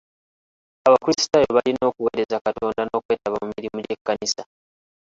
Abakrisitaayo balina okuweereza Katonda n'okwetaba mu mirimu gy'ekkanisa.